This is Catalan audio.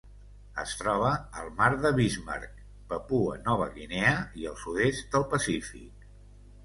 Es troba al Mar de Bismarck, Papua Nova Guinea i el sud-est del Pacífic.